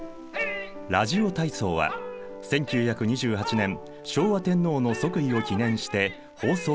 ラジオ体操は１９２８年昭和天皇の即位を記念して放送を開始した。